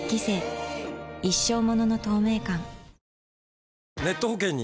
一生ものの透明感